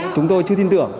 chúng tôi chưa tin tưởng